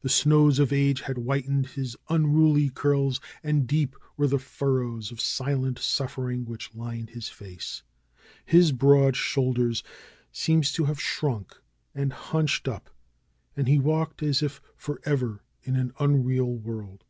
The snows of age had whitened his unruly curls, and deep were the furrows of silent suffering which lined his face. His broad shoulders seemed to have shrunk and hunched up, and he walked as if forever in an unreal world.